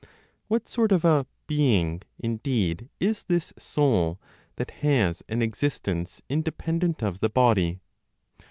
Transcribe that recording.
What sort of a "being," indeed, is this (soul) that has an existence independent of the body?